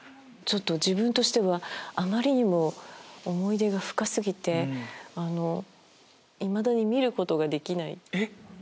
自分としてはあまりにも思い入れが深過ぎていまだに見ることができない。